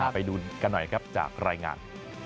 ไปดูกันหน่อยครับจากรายงาน